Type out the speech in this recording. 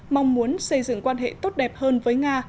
mong muốn xây dựng quan hệ tốt đẹp hơn với nga